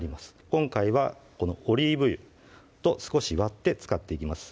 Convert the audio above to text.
今回はこのオリーブ油と少し割って使っていきます